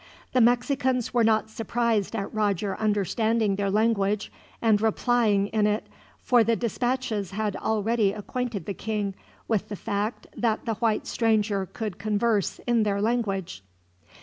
The Mexicans were not surprised at Roger understanding their language and replying in it, for the dispatches had already acquainted the king with the fact that the white stranger could converse in their language.